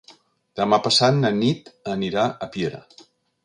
Demà passat na Nit anirà a Piera.